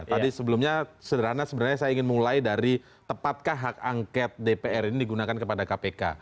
tadi sebelumnya sederhana sebenarnya saya ingin mulai dari tepatkah hak angket dpr ini digunakan kepada kpk